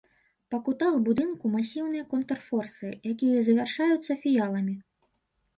Па кутах будынку масіўныя контрфорсы, якія завяршаюцца фіяламі.